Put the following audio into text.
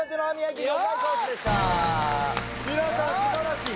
皆さん素晴らしい！